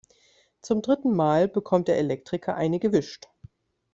Zum dritten Mal bekommt der Elektriker eine gewischt.